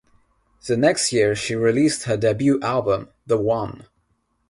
The next year she released her debut album "The One".